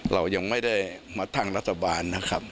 เรายังไม่ได้มาตั้งรัฐบาลนะครับ